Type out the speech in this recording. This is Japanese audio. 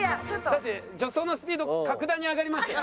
だって助走のスピード格段に上がりましたよ。